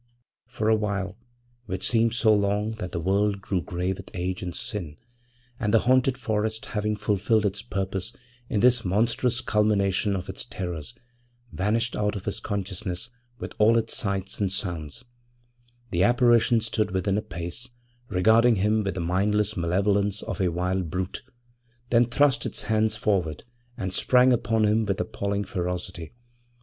For a time, which seemed so long that the world grew grey with age and sin, and the haunted forest, having fulfilled its purpose in this monstrous culmination of its terrors, vanished out of his consciousness with all its sights and sounds, the apparition stood within a pace, regarding him with the mindless malevolence of a wild brute; then thrust its hands forward and sprang upon him with appalling ferocity!